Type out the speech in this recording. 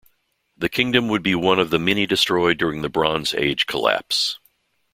The kingdom would be one of the many destroyed during the Bronze Age Collapse.